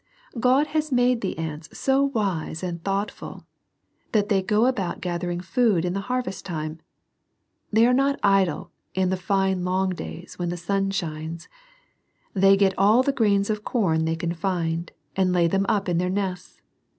God has made the ants so wise and thoughtful, that they go about gathering food in the harvest time. They are not idle in the fine long days, when the sun shines. They get all the grains of corn they can find, and lay them up in their nests.